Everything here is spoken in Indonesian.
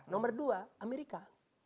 nomor dua amerika